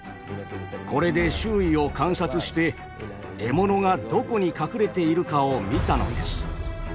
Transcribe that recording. これで周囲を観察して獲物がどこに隠れているかを見たのです。